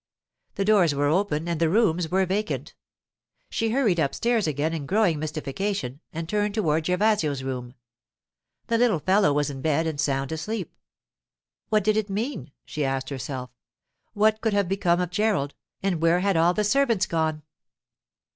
The doors were open and the rooms were vacant. She hurried upstairs again in growing mystification, and turned toward Gervasio's room. The little fellow was in bed and sound asleep. What did it mean? she asked herself. What could have become of Gerald, and where had all the servants gone?